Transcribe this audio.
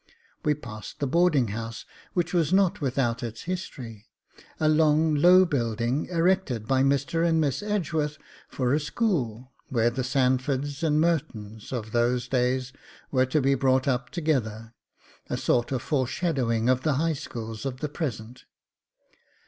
We passed the boarding house, which was not without its history a long low building erected by Mr. and Miss Edgeworth for a school, where the Sandfords and Mertons of those days were to be brought up together: a sort of foreshadowing of the High Schools of the present.